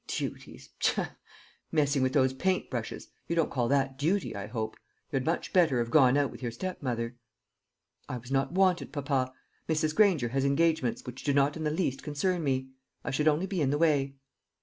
"Duties, pshaw! Messing with those paint brushes; you don't call that duty, I hope? You had much better have gone out with your stepmother." "I was not wanted, papa. Mrs. Granger has engagements which do not in the least concern me. I should only be in the way."